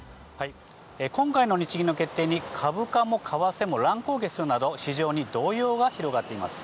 今回の日銀の決定に、株価も為替も乱高下するなど、市場に動揺が広がっています。